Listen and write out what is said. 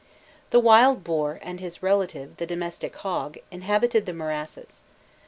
The wild boar, and his relative, the domestic hog, inhabited the morasses.